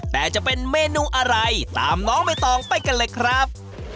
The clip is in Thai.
แต่จะเป็นเมนูอะไรตามน้องใบตองไปกันเลยครับ